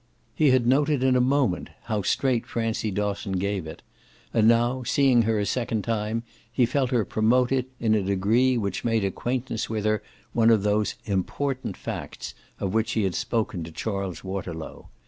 He had noted in a moment how straight Francie Dosson gave it; and now, seeing her a second time, he felt her promote it in a degree which made acquaintance with her one of those "important" facts of which he had spoken to Charles Waterlow.